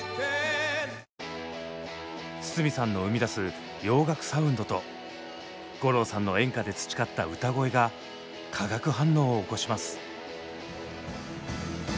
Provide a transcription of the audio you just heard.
筒美さんの生み出す洋楽サウンドと五郎さんの演歌で培った歌声が化学反応を起こします。